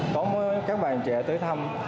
có các bạn trẻ tới thăm